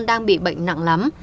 đang bị bệnh nặng lắm